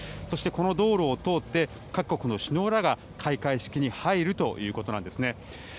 そして、この道路を通って各国の首脳らが開会式に入るということなんです。